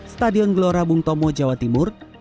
stadion gelora bung tomo jawa timur